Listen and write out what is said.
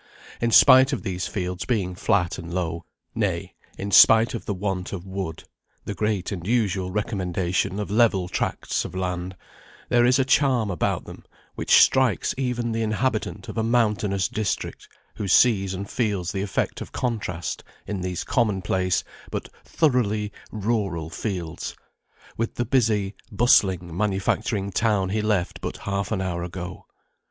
In spite of these fields being flat and low, nay, in spite of the want of wood (the great and usual recommendation of level tracts of land), there is a charm about them which strikes even the inhabitant of a mountainous district, who sees and feels the effect of contrast in these common place but thoroughly rural fields, with the busy, bustling manufacturing town he left but half an hour ago.